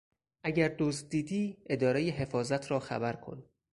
اگر دزد دیدی ادارهی حفاظت را خبر کن.